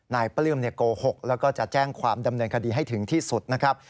ปลื้มโกหกแล้วก็จะแจ้งความดำเนินคดีให้ถึงที่สุดนะครับ